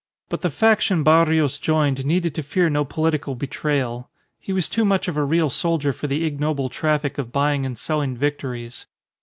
But the faction Barrios joined needed to fear no political betrayal. He was too much of a real soldier for the ignoble traffic of buying and selling victories.